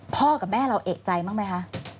กับแม่เราเอกใจบ้างไหมคะ